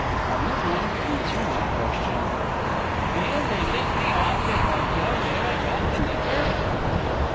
"'Are you going to answer my question?' "'Vill they let me off if I tell vere I got the liquor?'